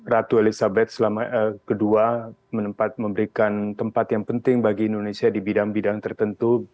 ratu elizabeth ii memberikan tempat yang penting bagi indonesia di bidang bidang tertentu